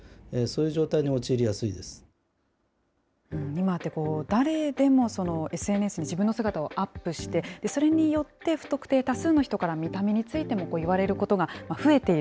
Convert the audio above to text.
今って、誰でもＳＮＳに自分の姿をアップして、それによって不特定多数の人から、見た目についても言われることが増えている。